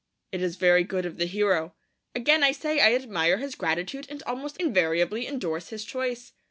It is very good of the hero. Again I say, I admire his gratitude and almost invariably endorse his choice.